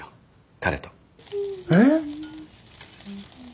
彼とえっ？